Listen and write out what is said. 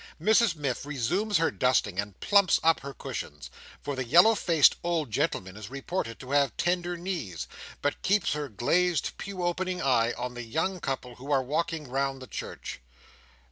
Mrs Miff resumes her dusting and plumps up her cushions—for the yellow faced old gentleman is reported to have tender knees—but keeps her glazed, pew opening eye on the young couple who are walking round the church.